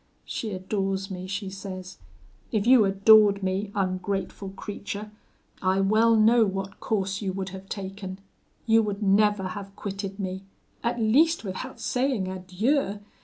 She adores me, she says. If you adored me, ungrateful creature, I well know what course you would have taken; you would never have quitted me, at least without saying adieu.